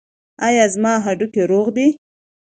ایا زما هډوکي روغ دي؟